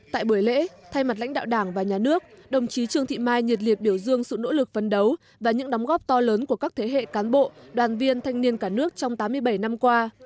tại buổi lễ thay mặt lãnh đạo đảng và nhà nước đồng chí trương thị mai nhiệt liệt biểu dương sự nỗ lực phấn đấu và những đóng góp to lớn của các thế hệ cán bộ đoàn viên thanh niên cả nước trong tám mươi bảy năm qua